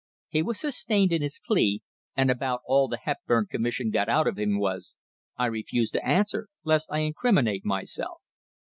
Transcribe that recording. He was sustained in his plea, and about all the Hepburn Commission got out of him was, "I refuse to answer, lest I incriminate myself."